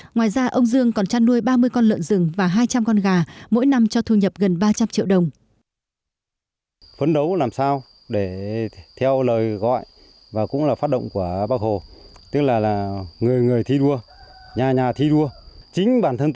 ngoài ra ông dương còn trăn nuôi ba mươi con lợn rừng và hai trăm linh con gà